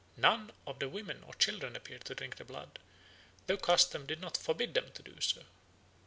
None of the women or children appeared to drink the blood, though custom did not forbid them to do so.